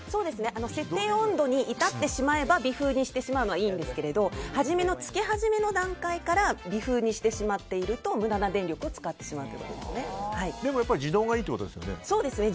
設定温度に至ってしまえば微風にしてしまうのはいいんですけどつけ始めの段階から微風にしてしまっていると無駄な電力を使ってしまう自動がいいってことですね。